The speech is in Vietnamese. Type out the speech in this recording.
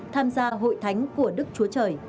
tham gia hội thánh của đức chúa trời